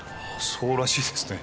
そうらしいですね。